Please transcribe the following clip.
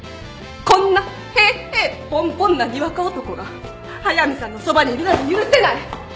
こんな平々凡々なにわか男が速見さんのそばにいるなんて許せない！